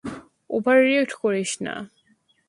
Over react করিস না।